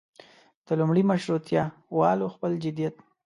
د لومړي مشروطیه والو خپل جديت.